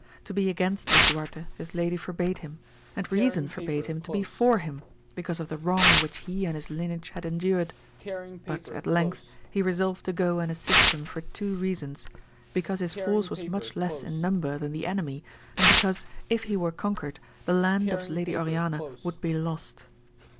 To be against Lisuarte his lady forbade him, and reason forbade him to be for him, because of the wrong which he and his lin eage had endured ; but at length he resolved to go and assist him for two reasons, because his force was much less in number than the enemy, and because, if he were conquered, the land of his lady Oriana would be lost.